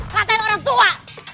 katain orang tua